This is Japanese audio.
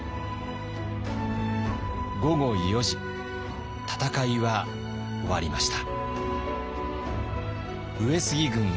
午後４時戦いは終わりました。